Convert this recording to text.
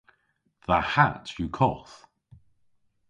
Dha hatt yw koth.